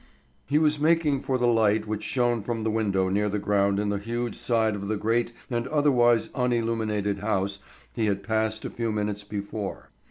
He was making for the light which shone from the window near the ground in the huge side of the great and otherwise unilluminated house he had passed a few minutes before.